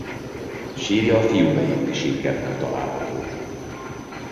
Sírja a Fiumei Úti Sírkertben található.